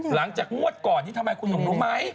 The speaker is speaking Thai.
หลังจากงวดก่อนนี้ทำไมคุณหนุ่มรู้ไหม